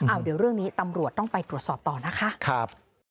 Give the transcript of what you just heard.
เดี๋ยวเรื่องนี้ตำรวจต้องไปตรวจสอบต่อนะคะ